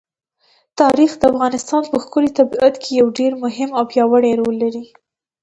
تاریخ د افغانستان په ښکلي طبیعت کې یو ډېر مهم او پیاوړی رول لري.